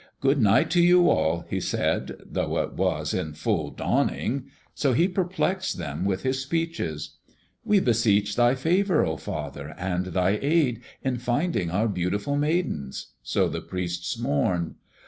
"Good night to you all," he said, though it was in full dawning. So he perplexed them with his speeches. "We beseech thy favor, oh father, and thy aid, in finding our beautiful Maidens." So the priests mourned.